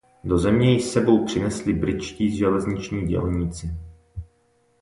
Do země ji s sebou přinesli britští železniční dělníci.